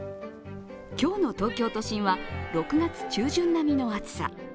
今日の東京都心は６月中旬並みの暑さ。